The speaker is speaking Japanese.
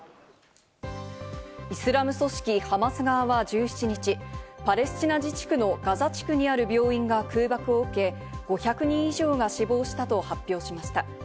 イスラム組織・ハマス側は１７日、パレスチナ自治区のガザ地区にある病院が空爆を受け、５００人以上が死亡したと発表しました。